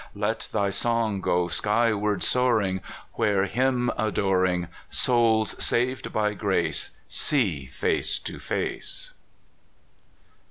Let thy song go Skyward soaring. Where, Him adoring, Souls, saved by grace, See face to face.